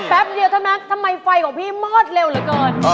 เดียวเท่านั้นทำไมไฟของพี่มอดเร็วเหลือเกิน